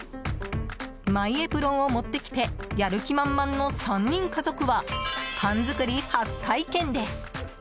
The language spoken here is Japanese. マイエプロンを持ってきてやる気満々の３人家族はパン作り初体験です。